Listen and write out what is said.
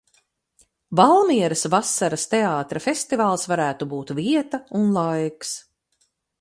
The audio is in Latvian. Valmieras vasaras teātra festivāls varētu būt vieta un laiks.